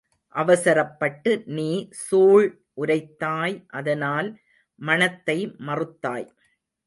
அவசரப்பட்டு நீ சூள் உரைத்தாய் அதனால் மணத்தை மறுத்தாய்.